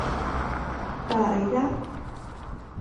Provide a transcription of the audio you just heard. bà ấy đáp